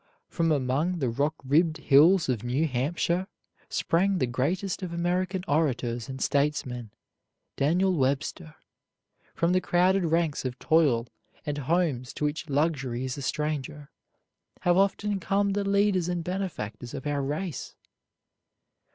From among the rock ribbed hills of New Hampshire sprang the greatest of American orators and statesmen, Daniel Webster. From the crowded ranks of toil, and homes to which luxury is a stranger, have often come the leaders and benefactors of our race.